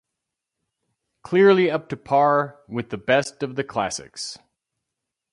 Clearly up to par with the best of the classics.